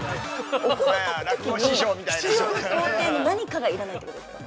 ◆お米炊くときに必要な工程の何かが要らないってことですか？